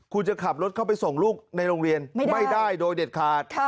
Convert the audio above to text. คุณจะขับรถเข้าไปส่งลูกในโรงเรียนไม่ได้โดยเด็ดขาด